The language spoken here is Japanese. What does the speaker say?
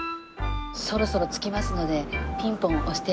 そろそろ着きますのでピンポン押してもらって。